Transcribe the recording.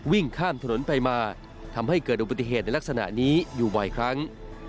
วิ่งข้ามถนนไปมาทำให้เกิดอุบัติเหตุในลักษณะนี้อยู่บ่อยครั้ง